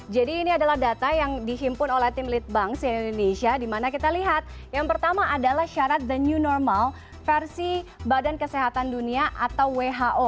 ini adalah data yang dihimpun oleh tim litbang sian indonesia dimana kita lihat yang pertama adalah syarat the new normal versi badan kesehatan dunia atau who